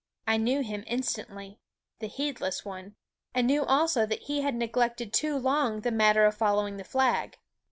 I knew him instantly the heedless one and that he had neglected too long the matter of following the flag.